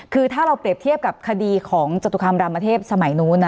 คือถ้าเราเปรียบเทียบกับคดีของจตุคามรามเทพสมัยนู้นนะ